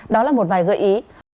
đó là một vài gợi ý